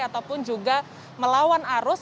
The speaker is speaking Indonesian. ataupun juga melawan arus